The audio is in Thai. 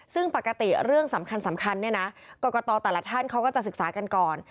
ซึ่งปกติเรื่องสำคัญเนี่ยนะกรกตแต่ละท่านเขาก็จะศึกษากันก่อน